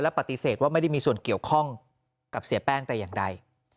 ปฏิเสธว่าไม่ได้มีส่วนเกี่ยวข้องกับเสียแป้งแต่อย่างใด